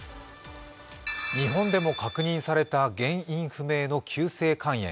日本でも確認された原因不明の急性肝炎。